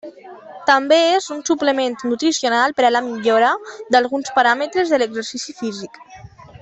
També és un suplement nutricional per a la millora d'alguns paràmetres de l'exercici físic.